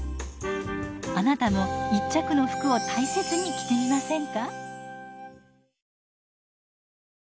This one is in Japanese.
あなたも一着の服を大切に着てみませんか。